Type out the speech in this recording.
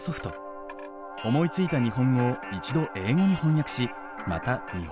思いついた日本語を一度英語に翻訳しまた日本語に戻すのです。